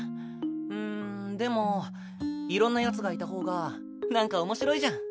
うんでもいろんなヤツがいた方がなんか面白いじゃん。